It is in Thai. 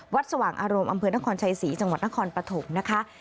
สว่างอารมณ์อำเภอนครชัยศรีจังหวัดนครปฐมนะคะ